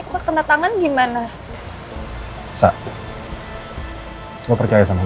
walaupun kaya sama gue